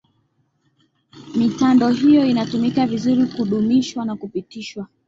mitando hiyo inatumika vizuri kudumishwa na kupitishwa